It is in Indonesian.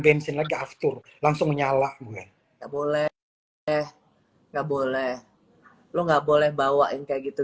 bensin lagi after langsung menyala gue nggak boleh eh nggak boleh lu nggak boleh bawain kayak gitu